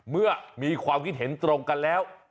เมื่อมีความคิดเห็นตรงกันแล้ว